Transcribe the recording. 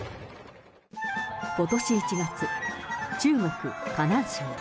ことし１月、中国・河南省。